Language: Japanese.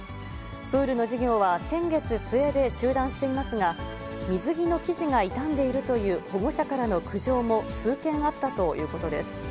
プールの授業は先月末で中断していますが、水着の生地が傷んでいるという保護者からの苦情も数件あったということです。